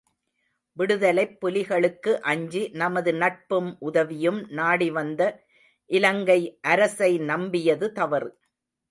விடுதலைப் புலிகளுக்கு அஞ்சி நமது நட்பும் உதவியும் நாடிவந்த இலங்கை அரசை நம்பியது தவறு.